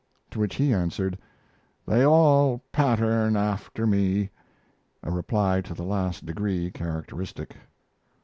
To which he answered: "They all pattern after me," a reply to the last degree characteristic.